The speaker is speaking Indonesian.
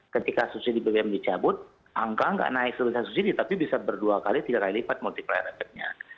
ketika subsidi bbm dicabut angka tidak naik sebesar subsidi tapi bisa berdua kali tiga kali lipat multiplier efeknya